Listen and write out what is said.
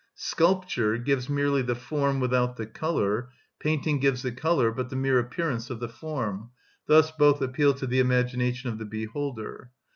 Sculpture gives merely the form without the colour; painting gives the colour, but the mere appearance of the form; thus both appeal to the imagination of the beholder.